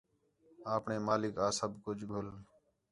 آپݨے مالک آ سب کُجھ گُھل